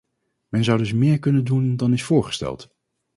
Men zou dus meer kunnen doen dan is voorgesteld.